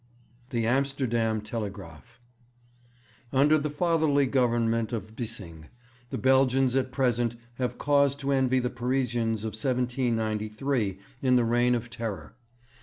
The Amsterdam Telegraaf. 'Under the fatherly government of Bissing, the Belgians at present have cause to envy the Parisians of 1793 in the Reign of Terror.